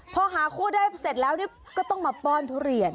พอหาคู่ได้เสร็จแล้วก็ต้องมาป้อนทุเรียน